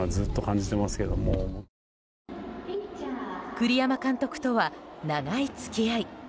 栗山監督とは長い付き合い。